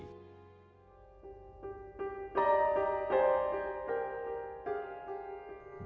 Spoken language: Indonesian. bengkel teater indonesia